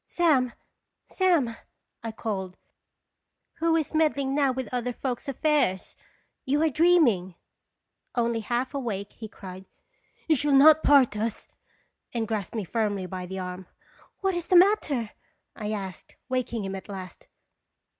" "Sam! Sam!" I called, "who is meddling now with other folks' affairs. You are dream ing." Only half awake, he cried :*' You shall not part us !" and grasped me firmly by the arm. " What is the matter?" I said, waking him at last.